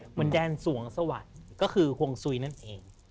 เหมือนแดนสวงสวรรค์ก็คือหวงสุยนั่นเอง